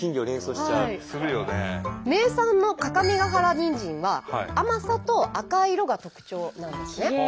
名産の各務原にんじんは甘さと赤い色が特徴なんですね。